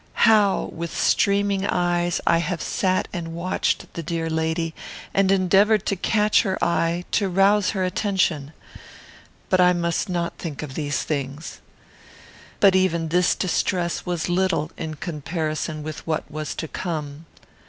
How, with streaming eyes, have I sat and watched the dear lady, and endeavoured to catch her eye, to rouse her attention! But I must not think of these things. "But even this distress was little in comparison with what was to come.